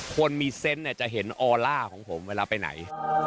คนมีเซนต์เนี่ยจะเห็นออล่าของผมเวลาไปไหน